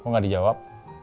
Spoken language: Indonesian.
kok gak dijawab